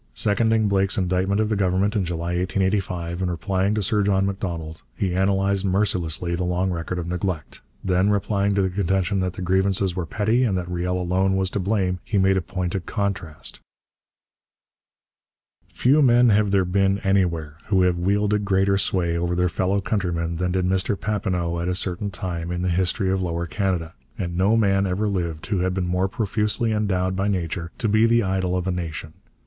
Seconding Blake's indictment of the Government in July 1885, and replying to Sir John Macdonald, he analysed mercilessly the long record of neglect. Then, replying to the contention that the grievances were petty and that Riel alone was to blame, he made a pointed contrast: Few men have there been anywhere who have wielded greater sway over their fellow countrymen than did Mr Papineau at a certain time in the history of Lower Canada, and no man ever lived who had been more profusely endowed by nature to be the idol of a nation.